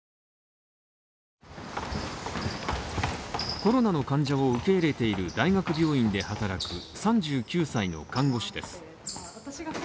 コロナの患者を受け入れている大学病院で働く３９歳の看護師です。